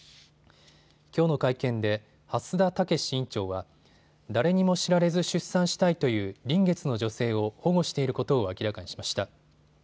きょうの会見で蓮田健院長は誰にも知られず出産したいという臨月の女性を保護していることを明らかにしました。